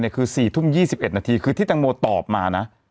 คือ๔ทุ่ม๒๑นาทีคือที่ตังโมตอบมานะ